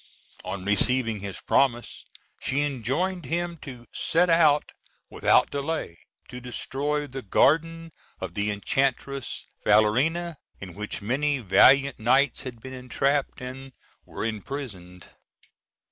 On receiving his promise, she enjoined him to set out without delay to destroy the garden of the enchantress Falerina, in which many valiant knights had been entrapped, and were imprisoned.